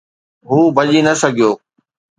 هو ڀڄي نه سگهيو.